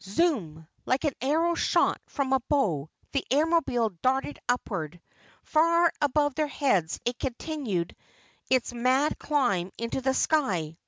Zoom! Like an arrow shot from a bow the Airmobile darted upward. Far above their heads it continued its mad climb into the sky.